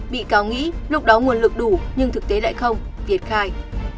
bị cáo nghĩ lúc đó nguồn lực đủ nhưng thực tế lại không việt khai